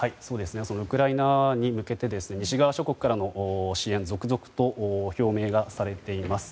そのウクライナに向けて西側諸国からの支援が続々と表明がされています。